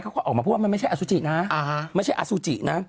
เขาก็ออกมาพูดว่ามันไม่ใช่อสุจินะ